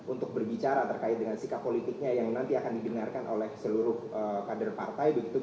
untuk berbicara terkait dengan sikap politiknya yang nanti akan didengarkan oleh seluruh kader partai begitu